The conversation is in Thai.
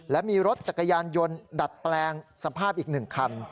และมีรถจักรยานยนต์ดัดแปลงสภาพอีก๑คัน